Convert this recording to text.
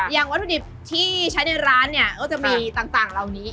วัตถุดิบที่ใช้ในร้านเนี่ยก็จะมีต่างเหล่านี้